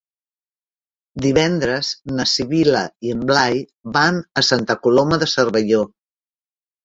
Divendres na Sibil·la i en Blai van a Santa Coloma de Cervelló.